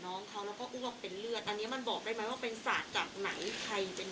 อันนี้มันบอกได้ไหมว่าเป็นศาสตร์จากไหนใครเป็น